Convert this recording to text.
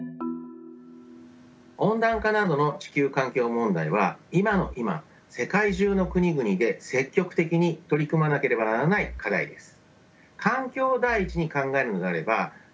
温暖化などの地球環境問題は今の今世界中の国々で積極的に取り組まなければならない課題です。